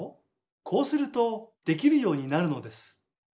こうするとできるようになるのです。